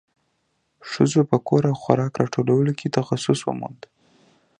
ښځو په کور او خوراک راټولولو کې تخصص وموند.